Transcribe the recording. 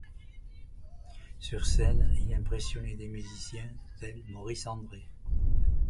Sur scène, il impressionnait des musiciens tel Maurice André.